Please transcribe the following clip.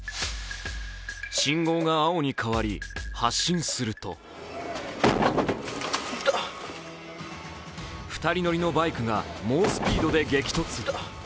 信号が青に変わり発進すると２人乗りのバイクが猛スピードで激突。